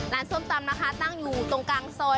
ส้มตำนะคะตั้งอยู่ตรงกลางซอย